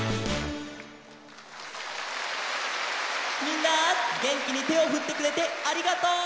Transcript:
みんなげんきにてをふってくれてありがとう！